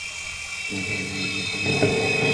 Sir, Faizal কিভাবে মারা গেছে?